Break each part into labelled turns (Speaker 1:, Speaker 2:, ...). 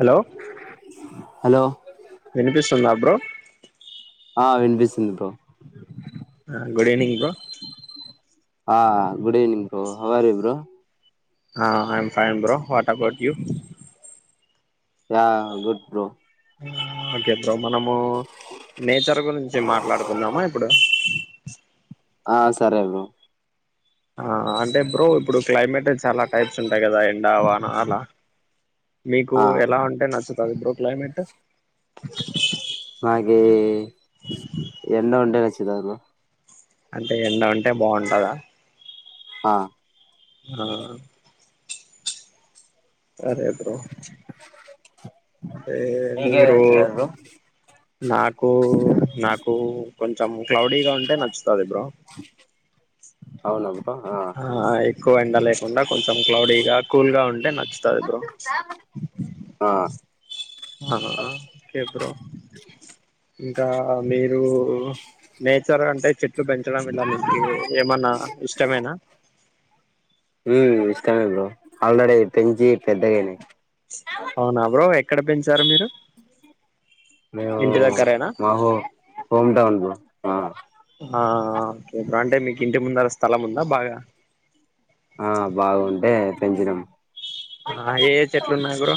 Speaker 1: Hello
Speaker 2: hello
Speaker 1: వినిపిస్తుందా bro
Speaker 2: ఆ వినిపిస్తుంది బ్రో
Speaker 1: గుడ్ ఈవినింగ్ బ్రో
Speaker 2: ఆ good evening bro how are you bro
Speaker 1: హ I am fine bro what about you
Speaker 2: గా గుడ్ బ్రో
Speaker 1: ఆ ఓకే ఇప్పుడు మనము నేచర్ గురించి మాట్లాడుకుందామా ఇప్పుడు
Speaker 2: ఆ సరే బ్రో
Speaker 1: ఆ అంటే బ్రో ఇప్పుడు క్లైమేటే చాల టైప్స్ ఉన్ టయి కదా ఎండ వాన అలా మీకు
Speaker 2: ఆ
Speaker 1: ఎలా ఉంటే నచ్చుతది బ్రో క్లైమేట్
Speaker 2: ఏ ఎండ ఉండే అచ్ గాది బ్రో
Speaker 1: అంటే ఎండ అంటే బాగుంటదా
Speaker 2: ఆ
Speaker 1: ఆ సరే బ్రో అంటే
Speaker 2: మీకే
Speaker 1: నింగ్రు
Speaker 2: నచ్చుతదా బ్రో
Speaker 1: నాకూ నాకు కొంచము క్లౌడీగా ఉంటే నచ్చుతది బ్రో
Speaker 2: అవునా బ్రో ఆ
Speaker 1: హా ఎక్కువ ఎండలే ఉండక్ కొంచెం క్లౌడీగా కూల్గా ఉంటే నచ్చుతాది బ్రో
Speaker 2: ఆ
Speaker 1: ఆ ఓకే బ్రో ఇంకా మీరు నేచర్ అంటే చెట్ లు పెంచడం ఇలా మీకీ ఏమన్నా ఇష్టమేనా
Speaker 2: ఉమ్ ఇష్టమే బ్రో ఆల్రెడీ పెంచీ పెద్దగైనై.
Speaker 1: అవునా బ్రో ఎక్ ఎక్కడ పెంచారు మీరు.
Speaker 2: నేవూ
Speaker 1: ఇంటి దగ్గరేనా
Speaker 2: మాహో హోమ్ టౌన్ బ్రో ఆ
Speaker 1: ఆ ఒకే అంటే మీకి ఇంటి ముందుర స్థలం ఉందా బాగా.
Speaker 2: ఆ బాగుంటే పెంచినం.
Speaker 1: ఆ ఏ చెట్లున్నాయ్ బ్రో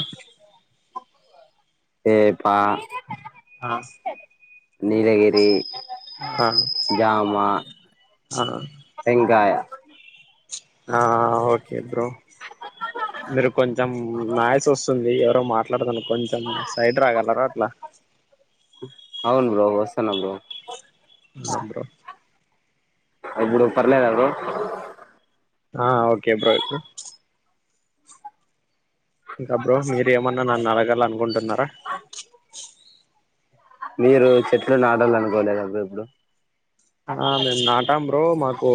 Speaker 2: వేపా
Speaker 1: ఆ
Speaker 2: నీలగిరీ
Speaker 1: ఆ
Speaker 2: జామా
Speaker 1: ఆ
Speaker 2: టెంకాయ
Speaker 1: ఆ ఓకే బ్రో. మీరు కొంచెం నాయిస్ వస్తుందీ ఎవరో మాట్ల్ [unintelligible] కొంచెం సైడ్ రాగలరా అట్లా.
Speaker 2: అవును బ్రో వస్తున్న బ్రో.
Speaker 1: ఆ బ్రో
Speaker 2: ఇప్పుడు పర్లేదా బ్రో
Speaker 1: ఆ ఓకే బ్రో ఇపుడు ఇంకా బ్రో మీరు ఏమన్నా నన్ను అడగాలనుకుంటున్నారా.
Speaker 2: మీరూ చెట్లు నాటాల అనుకోలేద బ్రో ఎపుడు.
Speaker 1: ఆ మేము నాటాం బ్రో. మాకూ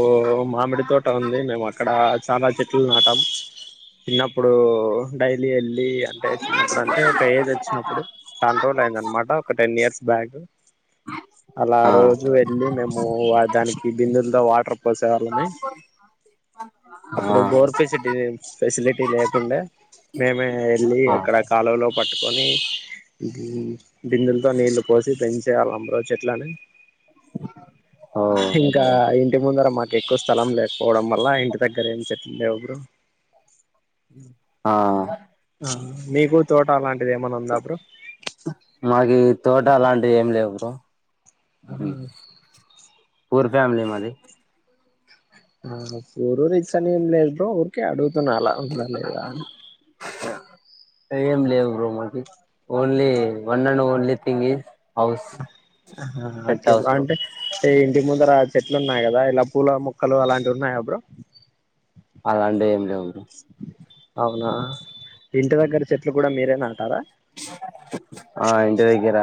Speaker 1: మామిడి తోట ఉంది మేము అక్కడా చానా చెట్ ట్లు నాటాం. చిన్నప్పుడూ డైలీ ఎళ్ ళ్ళీ అంటే చిన్నప్పుడు అంటే ఒక ఏజ్ ఒచ్చినప్పుడు కంట్రోల్ అయింది అన్మాట ఒక టెన్ ఇయర్స్. బ్యాగ అలా
Speaker 2: ఆ
Speaker 1: రోజు వెళ్ళీ మేమ్ మో ఆ దానికి బిందల్తో వాటర్ పోసే వాళ్ళమి. అప్పుడు
Speaker 2: ఆ
Speaker 1: బోర్ ఫెసిటీ ఫెసిలిటీ లేకుండే. మేమే ఎళ్ళీ
Speaker 2: ఆ
Speaker 1: అక్కడ కాలువ లో పట్టుకొనీ ఇదీ బిందల్తో నీళ్లు పోసి పెంచే వాళ్ళం బ్రో చెట్లని.
Speaker 2: ఓ
Speaker 1: ఇంకా ఇ ఇంటి ముందరం మాకు ఎక్కువ స్థలం లేద్ పోవడం వల్లా ఇంటి దగ్గర ఏం చెట్లు లేవు బ్రో.
Speaker 2: ఆ
Speaker 1: ఆ మీకు తోట అలాంటిది ఏమన్నా ఉందా బ్రో.
Speaker 2: మాకి తోట అలాంటివి ఏమి లేవు బ్రో
Speaker 1: అ
Speaker 2: పూర్ ఫ్యామిలీ మాది
Speaker 1: ఆ పూర్ రిచ్ అని ఏంలేదు ఊరికే అడుగుతున్నా అలా ఉందా లేదా అని
Speaker 2: ఏం లేవు బ్రో మా కి only one and only thing is
Speaker 1: అహ ఓకే బ్రో అంటే ఇంటి ముందర చెట్లు ఉన్నాయి కదా ఇలా పూల మొక్కలు అలాంటివి ఉన్నాయా బ్రో
Speaker 2: అలాంటివి ఏం లేవు బ్రో
Speaker 1: అవునా ఇంటి దగ్గర చెట్లు కూడా మీరే నాటారా
Speaker 2: ఆ ఇంటి దగ్గర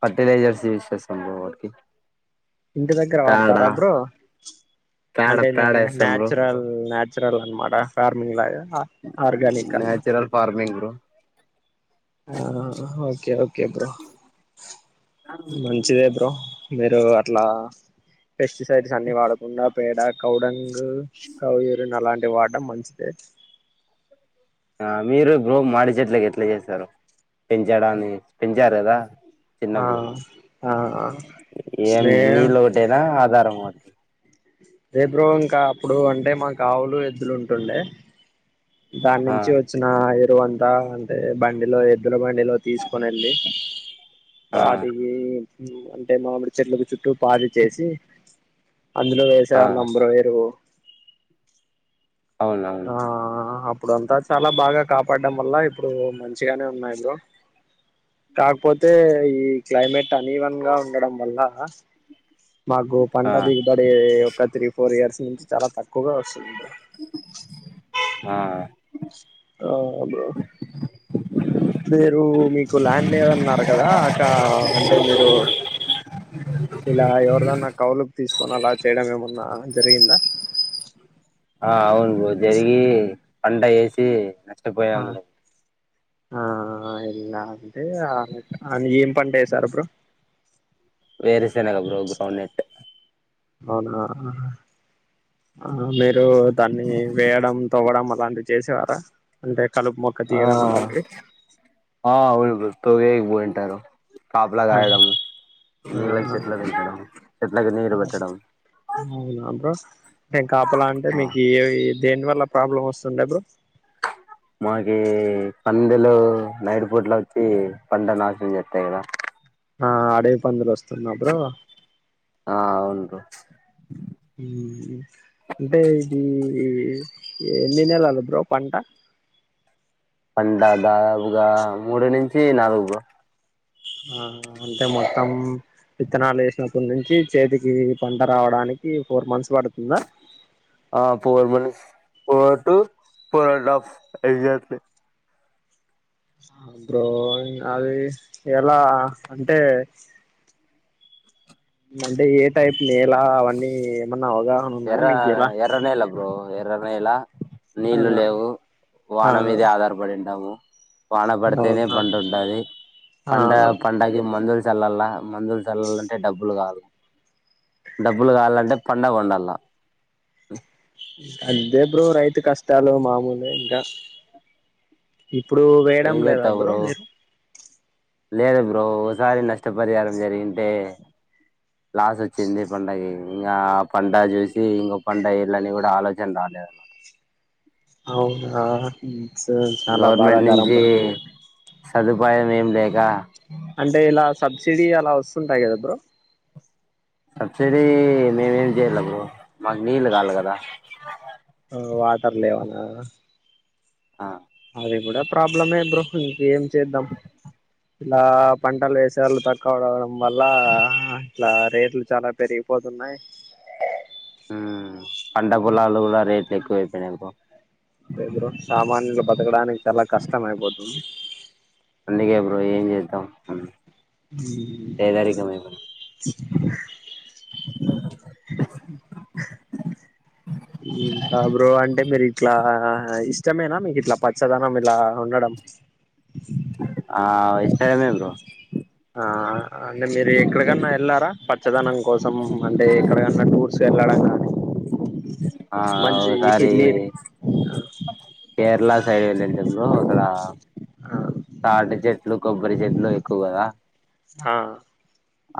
Speaker 2: ఫర్టిలైజర్స్ యూస్ చేసాం బ్రో వాటికి
Speaker 1: ఇంటి దగ్గర
Speaker 2: పేడ
Speaker 1: వాడతార బ్రో
Speaker 2: పేడ
Speaker 1: అంటే
Speaker 2: పేడ ఏస్తాం బ్రో
Speaker 1: నేచురల్ నేచురల్ అన్నమాట ఫార్మింగ్ లాగ అ ఆర్గానిక్
Speaker 2: న్యాచురల్ ఫార్మింగ్ బ్రో
Speaker 1: ఆ ఓకే ఓకే బ్రో మంచిదే బ్రో మీరు అట్లా పెస్టిసైడ్స్ అన్ని వాడకుండా పేడ కౌ డంగు కౌ యూరిన్ అలాంటివి వాడటడం మంచిదే
Speaker 2: ఆ మీరు బ్రో మామిడి చెట్లకి ఎట్లా చేశారు పెంచడాన్ని పెంచారు కదా
Speaker 1: ఆ
Speaker 2: చిన్నప్పుడు
Speaker 1: ఆ
Speaker 2: ఏం
Speaker 1: నే
Speaker 2: నీలోకటేనా ఆధారం ఒకటి
Speaker 1: ఎ బ్రో ఇంకా అప్పుడు అంటే మాకు ఆవులు ఎద్దులు ఉంటుండే దాని
Speaker 2: ఆ
Speaker 1: నుంచి వచ్చిన ఎరువు తొల్తావుంటే బండిలో ఎద్దుల బండి బండి లో తీసుకొని వెళ్ళి
Speaker 2: ఆ
Speaker 1: వాటికి ఊ అంటే మామిడి చెట్లకు చుట్టూ పాది చేసి అందులో వేసే
Speaker 2: ఆ
Speaker 1: వాళ్లం బ్రో ఎరువు
Speaker 2: అవునవును
Speaker 1: ఇప్పుడు అంతా చాలా బాగా కాపాడడం వల్ల ఇప్పుడు మంచిగానే ఉన్నాయి బ్రొ కాకపోతే ఈ క్లైమేట్ అన్ ఈవెన్ గా ఉండడం వల్ల మాకు పంట
Speaker 2: ఆ
Speaker 1: దిగుబడి ఒక త్రి ఫోర్ ఇయర్స్ నుంచి చాలా తక్కువగా వస్తుంది
Speaker 2: ఆ
Speaker 1: ఆ అలో మీరు మీకు ల్యాండ్ లేదు అన్నారు కదా అక్క అంటే మీరు ఇలా ఎవరిదన్న కౌలుకు తీసుకుని అలా చేయడం ఏమన్నా జరిగిందా.
Speaker 2: ఆ అవును ఓ జరిగీ పంట ఏసీ నష్ టపోయం
Speaker 1: ఆ
Speaker 2: కూడా
Speaker 1: ఆ ఇలా అంటే అ అది ఏం పంట వేశారు బ్రో.
Speaker 2: వేరుశెనగా బ్రో గ్రౌండ్ నెట్.
Speaker 1: అవునా ఆ మే ఇప్పుడు దాన్ని వేయడం తోవ్వడం అ లాంటివి చేసేవారా అంటే కలుపు మొక్క
Speaker 2: ఆ
Speaker 1: తీయడం అలాంటివి
Speaker 2: ఆ అవును బ్రో తోగేయనిక బోయింటారు కాపలా కాయడం నీళ్ళకి
Speaker 1: ఆ
Speaker 2: చెట్ల నింపడం చెట్లకి నీళ్లు
Speaker 1: ఆ
Speaker 2: వెట్టడం.
Speaker 1: నేం కాపలా అంటే మీకు ఏఇ దేని వల్ల ప్రాబ్లం వస్తుండే బ్రో.
Speaker 2: పందులు నైట్ పూట్ల వచ్చి పంట నాశనం చేతాయిగా.
Speaker 1: ఆ అడవి పందులొస్తున్న బ్రో
Speaker 2: ఆ అవును బ్రో
Speaker 1: ఉమ్ అంటే ఇది ఎన్ని నెలలు బ్రో పంట.
Speaker 2: పంట దాదపుగా మూడు నుంచి నాలుగు బ్రో.
Speaker 1: ఆ అంటే మొత్తం విత్తనాలు వేసినప్పుటి నుంచి చేతికి పంట రావడానికి ఫోర్ మంత్స్. పడుతుందా
Speaker 2: ఆ four minutes four to four and half exactly.
Speaker 1: హా బ్రో అది ఎలా అంటే అంటే ఏ టైప్ నేల అవన్నీ ఏమ
Speaker 2: ఎర్ర ఎర్రనేల బ్రో. ఎర్ర నేల
Speaker 1: ఆ
Speaker 2: నీళ్లు లేవు
Speaker 1: ఆ
Speaker 2: వాన మీదే ఆధారపడింటాము. వాన పడితేనే
Speaker 1: అవునా
Speaker 2: పంట ఉంటది. పంట
Speaker 1: ఆ
Speaker 2: పంటకి మందులు చల్లాల మందులు చల్లాలంటే డబ్బులు కాదు. డబ్బులు కావాలంటే పంట పండాల. [inaudible]
Speaker 1: అదే బ్రో రైతు కష్టాలు మామూలే ఇంకా. ఇప్పుడు వేయడం
Speaker 2: ఏం
Speaker 1: లేదా
Speaker 2: చేస్తావు
Speaker 1: బ్రో మీరు.
Speaker 2: లేదు బ్రో ఓసారి నష్టపరిహారం జరిగింటే లాస్ ఒచ్చింది పంటకి ఇంగా ఆ పంట జేసి ఇంగో పంటగ్ ఎయళ్ల అని గుడ ఆలోచన్ రాలేద్ అన్మాట
Speaker 1: అవునా హు
Speaker 2: గవ్ర్మెంట్ నించి సదుపాయం ఏం లేదా
Speaker 1: అంటే ఇలా సబ్సిడీ అలా ఒస్తుంటాయి కదా బ్రో
Speaker 2: సబ్సిడీ మేమేం చెయ్యళ్ళ బ్రో మాక్ నీళ్ కాళ్ళ కదా
Speaker 1: ఆ వాటర్ లేవనా
Speaker 2: ఆ
Speaker 1: అది గుడ ప్రాబ్లమే బ్రో ఇంకేం చేద్దాం ఇలా పంటలు ఏసెల్లు తక్కువ కావడం వల్లా ఇట్ల రేట్లు చాలా పెరిగిపోతున్నాయి
Speaker 2: మ్మ్ పంట పొలాలు గుడా రేట్లు ఎకువ్ అయిపెయినై బ్రో
Speaker 1: అంతే బ్రో సామాన్యులు బతకడానికి చాలా కష్టం అయిపోతుంది.
Speaker 2: అందుకే బ్రో ఏం చేద్దాం ఉ
Speaker 1: ఉమ్
Speaker 2: [inaudible] [unintelligible]
Speaker 1: ఇంకా బ్రో అంటే మీరు ఇట్లా ఇష్ ఇష్టమేనా మీక్ ఇట్ల పచ్చదనం ఇలా ఉండడం
Speaker 2: ఆ ఇష్టం మే బ్రో
Speaker 1: ఆ అంటే మీరు ఎక్కడికన్న ఎళ్ళారా పచ్చదనం కోసం అంటే ఎక్కడకన్న టూర్ చెల్లడంగాని
Speaker 2: ఆ ఓ సారీ కేర్ళా సైడ్ వెళ్ళింటే ఉండలేమ్ అక్కడా తాటి చెట్లు కొబ్బరి చెట్లు ఎక్కువ కదా
Speaker 1: హా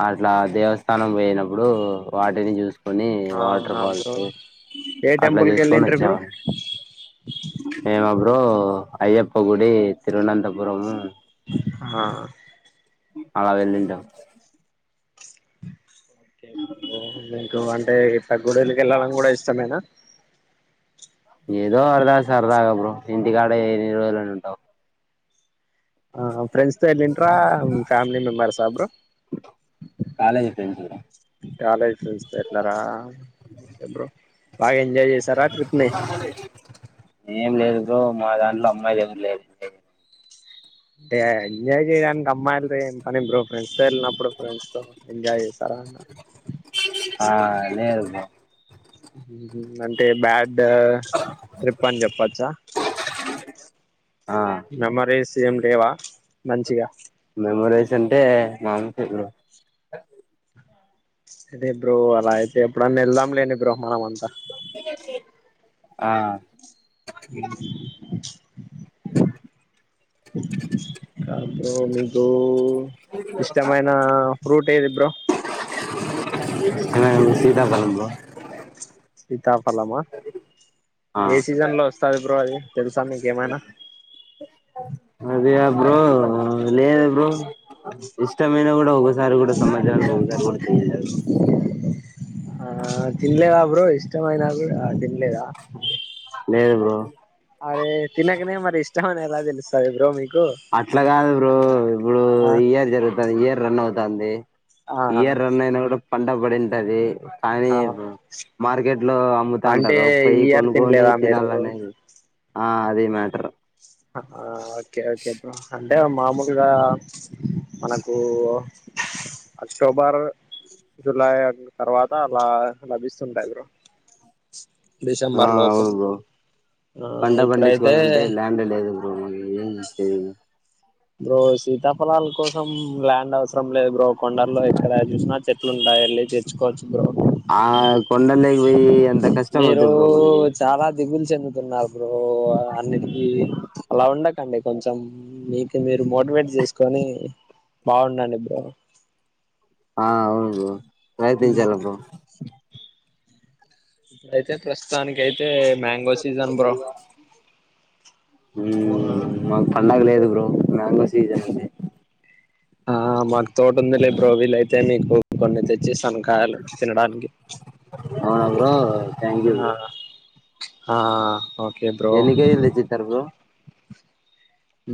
Speaker 2: అట్లా దేవస్థానం పోయినప్పుడు వాటిని చూస్
Speaker 1: అవునా బ్రో ఏ టెంపుల్కి ఎల్లింట్రి బ్రో
Speaker 2: నేనా బ్రో అయ్యప్ప గుడి తిరువనంతపురము
Speaker 1: హా
Speaker 2: అలా వెళ్ళింట
Speaker 1: ఓకే బ్రో ఇంగా ఎక్కువ పానీ టేక్ ఇట్ తగ్గుడోళ్లకి ఎల్లాలన్ గుడ ఇష్టమేనా
Speaker 2: ఏదో అడ్తా సరదాగా బ్రో ఇంటికాడ ఎన్ని రోజులు అని ఉంటావ్
Speaker 1: ఆహా ఫ్రెండ్స్ తో ఎల్లింట్రా మీ family members bro
Speaker 2: college friends bro
Speaker 1: college చూస్తే ఎట్ల రా? బాగా ఎంజాయ్ చేసారా ట్రిప్ ని?
Speaker 2: ఏం లేదు బ్రో మా దాంట్ల అమ్మాయిలేవురూ లేరు, ఎంజాయ్ చేయడానికి.
Speaker 1: టే ఎంజయ్ చేయడానికి, అమ్మాయిల్తో ఏం పని బ్రో ఫ్రెండ్స్ తో ఎల్నప్పుడు ఫ్రెండ్స్ తో ఎంజాయ్ చేస్తరా అన్
Speaker 2: ఆ లేరు బ్రో
Speaker 1: ఉ హు అంటే బ్యాడ్ డ్ ట్రిప్పన్చెప్పచ్చ?
Speaker 2: ఆ
Speaker 1: ఇంగ మరి స్ సి ఏం లేవా? మంచిగా
Speaker 2: టే మాములె బ్రో
Speaker 1: అదే బ్రో అలా అయితే ఎప్పుడన్నా ఎళ్దాంలేండి బ్రో, మనమంత్
Speaker 2: ఫ ఆ
Speaker 1: కాద్ బ్రో నిక్ డూ ఇష్టమైన ఫ్రూట్ ఏది బ్రో?
Speaker 2: ఆ సీతాఫలం బ్రో
Speaker 1: సీతాఫలమా,
Speaker 2: ఆ
Speaker 1: ఏ సీజన్ లో వస్తది బ్రో అది? తెలుసా మీకేమైనా?
Speaker 2: అదే బ్రో, లేద్ బ్రో, ఇష్ట మైన కూడ వస్ సారి కూడ సమత్చరానికి ఒకసారి కూడ తెలీలేదు.
Speaker 1: ఆ తిన్లేద బ్రో ఇష్టమైన గూడ ఆ తిన్ లేదా
Speaker 2: లేదు బ్రో
Speaker 1: అరే తినకనే మరిస్ చా అని ఎలా తెలుస్తది బ్రో మీకు?
Speaker 2: అట్లా గాదు బ్రో, ఇప్పుడు
Speaker 1: ఆ
Speaker 2: ఇయర్ జరుగుతది ఇయర్ రన్ అవుతున్ తాంది
Speaker 1: ఆ
Speaker 2: ఇయర్ రన్నయిన గూడ పండబడింటది కానీ
Speaker 1: ఆ
Speaker 2: బ్రో మార్కెట్ లో
Speaker 1: అంటే
Speaker 2: అమ్ముతాంటరు,
Speaker 1: ఈ
Speaker 2: పోయి
Speaker 1: ఇయర్
Speaker 2: కొనుక్కొని
Speaker 1: తినలేదా మీరు
Speaker 2: తినాలనేది ఆ అదీ మ్యాటర్
Speaker 1: ఆహ అ కే ఓకే మ్ హ అంటే మామూలుగా మనకు అక్టోబర్ జులై తర్వాత అలా లభిస్తుంటాయి బ్రో
Speaker 2: ఆ
Speaker 1: డిసెంబర్ లోపు
Speaker 2: అవును బ్రో
Speaker 1: ఆ
Speaker 2: పంట
Speaker 1: ఇప్పుడైతే
Speaker 2: పండించుకోవాలంటే ల్యాండ్ లేదు ఎం చెసేది
Speaker 1: బ్రో సీతాఫలాల కోసం ల్యాండ్ అవస రం లేదు బ్రో కొండల్లో ఎక్కడ చూసినా చెట్ ట్లుంటాయండి చెట్
Speaker 2: ఆ కొండలే
Speaker 1: మీరు చాలా దిగులు చెందుతున్నారు ఇప్పుడు అన్నిటికీ అల ఉండకండి కొంచెం మీకు మీరు మోటివేట్ చేసుకొని బాగుండండి బ్రో
Speaker 2: ఆ అవును బ్రో ప్రయాతించాలే బ్రో
Speaker 1: ఇప్పుడైతే ప్రస్తుతానికై తె మంగో సిీజన్ బ్రో ఆ
Speaker 2: మ్మ్ మాకు పండగ
Speaker 1: మ్
Speaker 2: లేదు బ్రో మ్యాంగో సీజన్ ఇది
Speaker 1: ఆ మాకు తోట ఉంది లే బ్రోవిీల్ అయితే మీకు కొన్ని తెచ్చిస్థాను కాయలు తినడానికి
Speaker 2: అవునా బ్రో థ్యాంక్ యూ బ్రో
Speaker 1: ఆ ఆఓ
Speaker 2: ఎన్ని కేజీలు తెచ్చిస్తారు బ్రో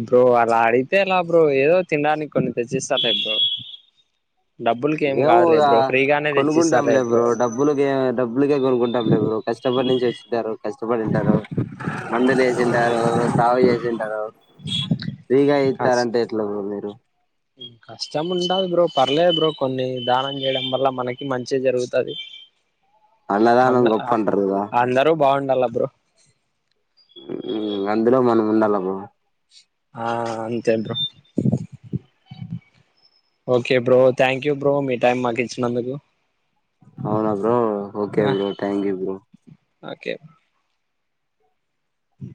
Speaker 1: బ్రో అలా అడిగితే ఎలా బ్రో ఏదో తినడానికి కొన్ని తెచ్చిస్తా లే బ్రో డబ్బులకి ఏం
Speaker 2: మేము
Speaker 1: కాదులే
Speaker 2: ఇగ
Speaker 1: బ్రో ఫ్రీగానే
Speaker 2: కొనుక్కుంటాం
Speaker 1: తెచ్చిస్తాలే
Speaker 2: లే బ్రో డబ్బులకే డబ్బులకే కొనుకుంటాం లే బ్రో కష్టపడి నుంచి వచ్చింటారు కష్టపడింటారు మందులు
Speaker 1: ఆ
Speaker 2: చేసింటారు సాగు చేసింటారు ఫ్రీగా
Speaker 1: కష్
Speaker 2: ఇస్తారంటే ఎట్లా బ్రో మీరు
Speaker 1: కష్టం ఉంటాది బ్రో పర్లేదు బ్రో కొన్ని దానం చేయడం వల్ల మనకి మంచె జరుగుతది
Speaker 2: అన్నదానం గొప్పంటారు కదా
Speaker 1: అల బ్రో
Speaker 2: హు అందులో మనం ఉండాల బ్రో
Speaker 1: ఆ అంతే bro okay bro thank you bro మీ టైం మాకు ఇచ్చినందుకు
Speaker 2: అవునాబ్రో okay bro thank you bro
Speaker 1: okay అ